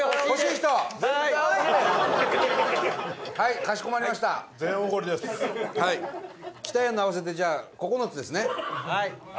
伊達：北やんの合わせてじゃあ、９つですね。